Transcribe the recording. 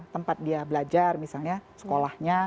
tempat dia belajar misalnya sekolahnya